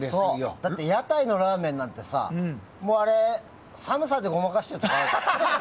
だって屋台のラーメンなんてさあれ寒さでごまかしてるところあるからね。